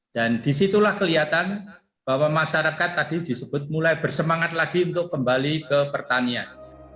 dan disitulah kelihatan bahwa masyarakat mulai bersemangat lagi untuk kembali ke pertanian